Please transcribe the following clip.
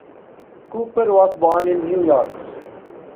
Cooper was born in New York.